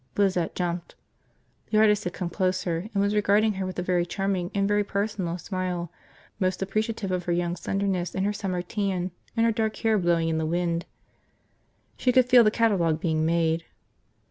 Lizette jumped. The artist had come closer and was regarding her with a very charming and very personal smile, most appreciative of her young slenderness and her summer tan and her dark hair blowing in the wind. She could feel the catalogue being made.